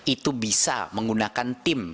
itu bisa menggunakan tim